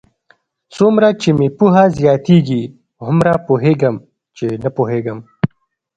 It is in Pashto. څومره چې مې پوهه زیاتېږي، هومره پوهېږم؛ چې نه پوهېږم.